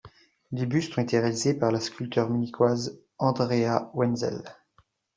Les bustes ont été réalisés par la sculpteur munichoise Andrea Wenzel.